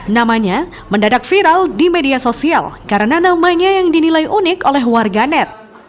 namanya mendadak viral di media sosial karena namanya yang dinilai unik oleh warganet